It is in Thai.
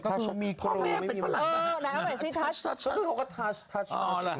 พอเรียกเป็นฝนอะไรนะเออไหนเอาใหม่สิทัช